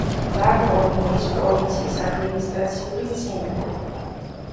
ლა-კორუნიის პროვინციის ადმინისტრაციული ცენტრი.